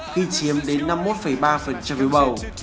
khi chiếm đến năm mươi một ba phiếu bầu